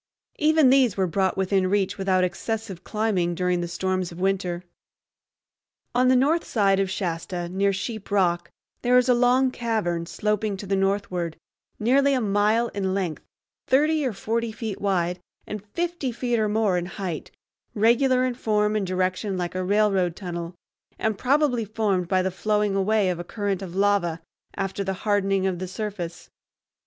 Even these were brought within reach without excessive climbing during the storms of winter. On the north side of Shasta, near Sheep Rock, there is a long cavern, sloping to the northward, nearly a mile in length, thirty or forty feet wide, and fifty feet or more in height, regular in form and direction like a railroad tunnel, and probably formed by the flowing away of a current of lava after the hardening of the surface.